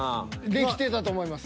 できてたと思います。